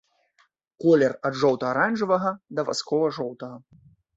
Колер ад жоўта-аранжавага да васкова-жоўтага.